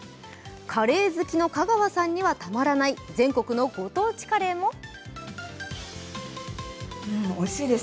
カレー好きの香川さんにはたまらない、全国のご当地カレーも。